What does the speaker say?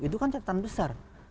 itu kan catatan besar